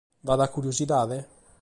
B’at curiosidade?